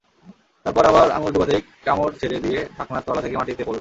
তারপর আবার আঙুল ডুবাতেই কামড় ছেড়ে দিয়ে ঢাকনার তলা থেকে মাটিতে পড়ল।